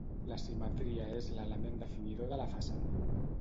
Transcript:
La simetria és l'element definidor de la façana.